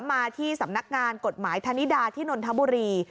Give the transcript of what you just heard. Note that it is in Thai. มาที่สำนักงานกฎหมายธนิดาที่นนทบุรี